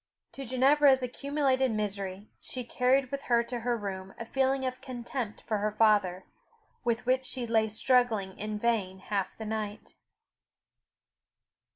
To Ginevra's accumulated misery, she carried with her to her room a feeling of contempt for her father, with which she lay struggling in vain half the night.